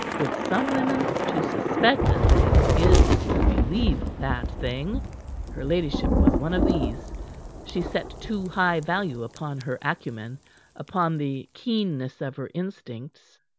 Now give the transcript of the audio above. With some women, to suspect a thing is to believe that thing. Her ladyship was of these. She set too high value upon her acumen, upon the keenness of her instincts.